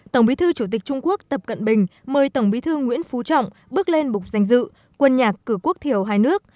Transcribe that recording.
tổng bí thư chủ tịch trung quốc tập cận bình mời tổng bí thư nguyễn phú trọng bước lên bục danh dự quân nhạc cử quốc thiểu hai nước